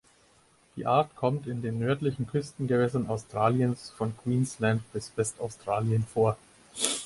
Die Art kommt in den nördlichen Küstengewässern Australiens von Queensland bis Westaustralien vor.